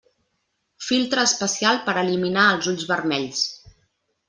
Filtre especial per eliminar els ulls vermells.